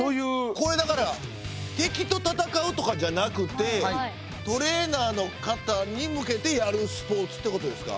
これだから敵と戦うとかじゃなくてトレーナーの方に向けてやるスポーツってことですか？